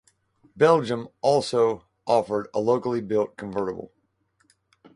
Belgium also offered a locally built convertible.